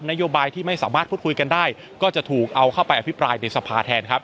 นโยบายที่ไม่สามารถพูดคุยกันได้ก็จะถูกเอาเข้าไปอภิปรายในสภาแทนครับ